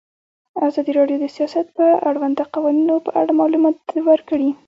ازادي راډیو د سیاست د اړونده قوانینو په اړه معلومات ورکړي.